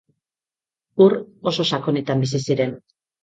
Ur oso sakonetan bizi ziren.